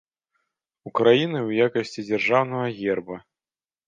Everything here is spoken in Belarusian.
Украінай ў якасці дзяржаўнага герба.